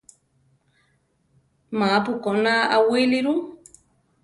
Ma-pu koná aʼwíli ru.